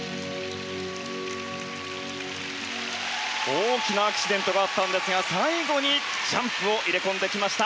大きなアクシデントがあったんですが最後にジャンプを入れ込んできました